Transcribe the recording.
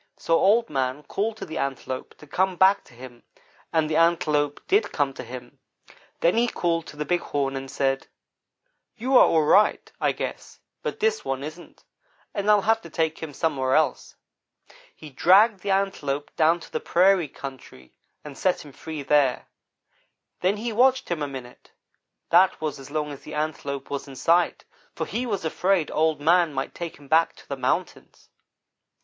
So Old man called to the Antelope to come back to him, and the Antelope did come to him. Then he called to the Big Horn, and said: "'You are all right, I guess, but this one isn't, and I'll have to take him somewhere else.' "He dragged the Antelope down to the prairie country, and set him free there. Then he watched him a minute; that was as long as the Antelope was in sight, for he was afraid Old man might take him back to the mountains.